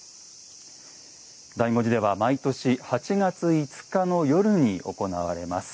醍醐寺では毎年、８月５日の夜に行われます。